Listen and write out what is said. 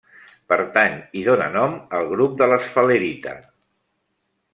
Pertany i dóna nom al grup de l'esfalerita.